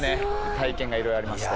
体験がいろいろありまして。